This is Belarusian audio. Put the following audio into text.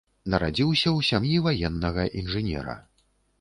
Нарадзіўся ў сям'і ваеннага інжынера.